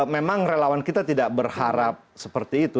memang relawan kita tidak berharap seperti itu